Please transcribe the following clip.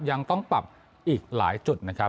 ยังต้องปรับอีกหลายจุดนะครับ